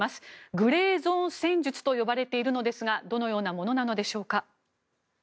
グレーゾーン戦術と呼ばれているのですがどのようなものなのでしょうか。